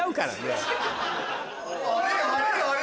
あれあれあれ？